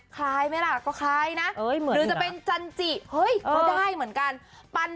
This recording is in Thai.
คล้ายไหมล่ะก็คล้ายนะหรือจะเป็นจันจิเฮ้ยก็ได้เหมือนกัน